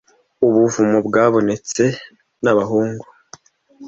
Ubuvumo bwabonetse nabahungu?